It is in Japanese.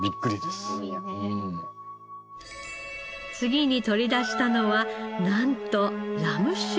次に取り出したのはなんとラム酒。